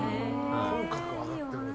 口角が上がっている。